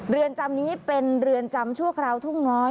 เรือนจำนี้เป็นเรือนจำชั่วคราวทุ่งน้อย